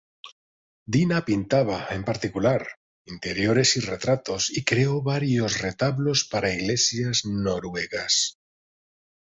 Dina pintaba, en particular, interiores y retratos, y creó varios retablos para iglesias noruegas.